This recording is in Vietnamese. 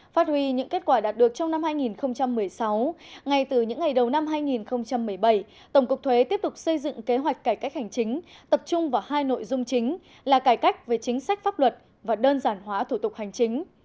phát huy những kết quả đạt được trong năm hai nghìn một mươi sáu ngay từ những ngày đầu năm hai nghìn một mươi bảy tổng cục thuế tiếp tục xây dựng kế hoạch cải cách hành chính tập trung vào hai nội dung chính là cải cách về chính sách pháp luật và đơn giản hóa thủ tục hành chính